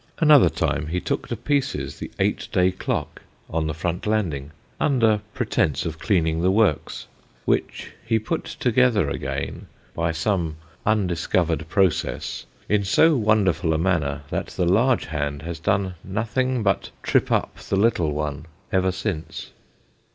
Another time he took to pieces the eight day clock on the front landing, under pretence of cleaning the works, which he put together again, by some undiscovered process, in so wonderful a manner, that the large hand has done nothing but trip up the little one ever since.